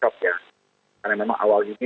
tapi tidak boleh langsung bertransaksi